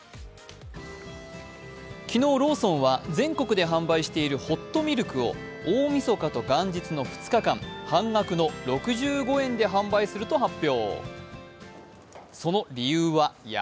昨日、ローソンは全国で販売しているホットミルクを大みそかと元日の２日間、半額の６５円で販売すると発表。